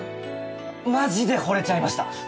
マジで惚れちゃいました。